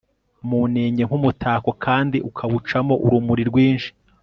mu nenge nkumutako kandi ukawucamo urumuri rwinshi